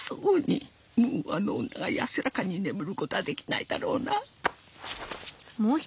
もうあの女が安らかに眠ることはできないだろうな。